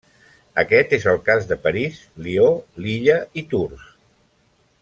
Aquest és el cas de París, Lió, Lilla i Tours.